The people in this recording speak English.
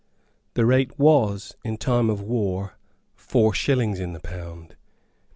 The rate was, in time of war, four shillings in the pound.